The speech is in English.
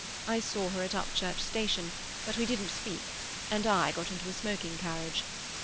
I saw her at Upchurch Station, but we didn't speak, and I got into a smoking carriage.